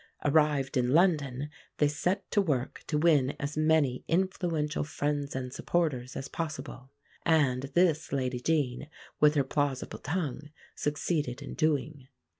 Arrived in London they set to work to win as many influential friends and supporters as possible; and this Lady Jean, with her plausible tongue, succeeded in doing.